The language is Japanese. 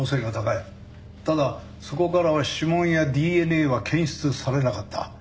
ただそこからは指紋やＤＮＡは検出されなかった。